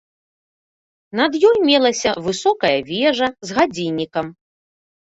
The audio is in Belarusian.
Над ёй мелася высокая вежа з гадзіннікам.